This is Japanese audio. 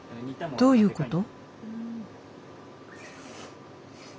どういうこと？